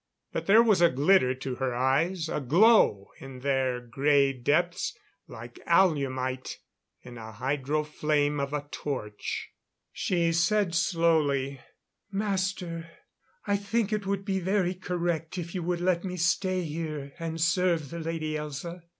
But there was a glitter to her eyes, a glow in their grey depths like alumite in the hydro flame of a torch. She said slowly: "Master, I think it would be very correct if you would let me stay here and serve the Lady Elza.